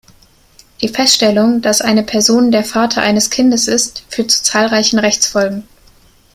Die Feststellung, dass eine Person der Vater eines Kindes ist, führt zu zahlreichen Rechtsfolgen.